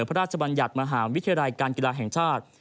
บัญญัติมหาวิทยาลัยการกีฬาแห่งชาติ